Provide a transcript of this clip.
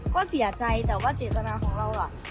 ก็เสียใจแต่ว่าเจตนาของเรา